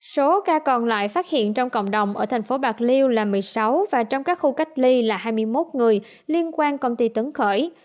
số ca còn lại phát hiện trong cộng đồng ở thành phố bạc liêu là một mươi sáu và trong các khu cách ly là hai mươi một người liên quan công ty tấn khởi